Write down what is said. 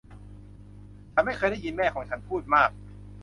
ฉันไม่เคยได้ยินแม่ของฉันพูดมาก